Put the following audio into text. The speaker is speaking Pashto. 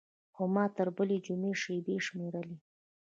خو ما تر بلې جمعې شېبې شمېرلې.